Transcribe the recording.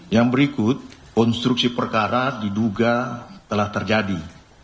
yang berikut konstruksi perkara diduga telah terjadi